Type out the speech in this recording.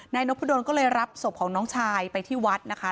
นายนพดลก็เลยรับศพของน้องชายไปที่วัดนะคะ